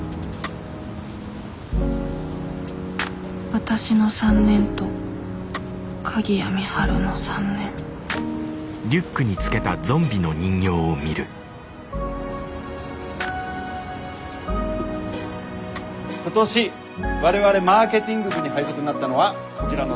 わたしの３年と鍵谷美晴の３年今年我々マーケティング部に配属になったのはこちらの３人です。